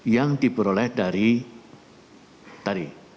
yang diperoleh dari tadi